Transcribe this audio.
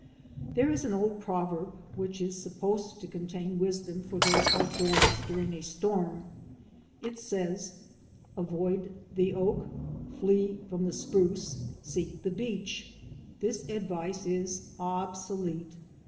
There is an old proverb which is supposed to contain wisdom for those outdoors during a storm; it says, "Avoid the oak, flee from the spruce, seek the beech. " This advice is obsolete.